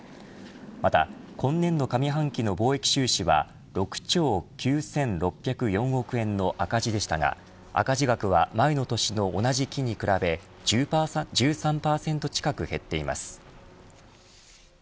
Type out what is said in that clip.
また、今年度上半期の貿易収支は６兆９６０４億円の赤字でしたが赤字額は前の年の同じ期に比べ１３％近く減っています。